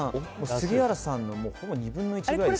杉原さんのほぼ２分の１くらいです。